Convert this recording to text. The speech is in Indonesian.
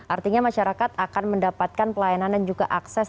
artinya masyarakat akan mendapatkan pelayanan dan juga akses